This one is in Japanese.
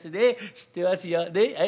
知ってますよねっ。